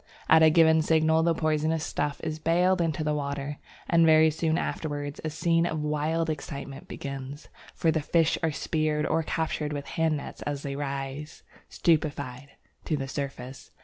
At a given signal the poisonous stuff is baled into the river, and very soon afterwards a scene of wild excitement begins, for the fish are speared or captured with handnets as they rise, stupefied, to the surface.